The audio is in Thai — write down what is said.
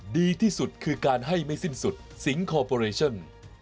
ดีที่สุดคือการให้ไม่สิ้นสุดสิงคอร์ปอเรชั่น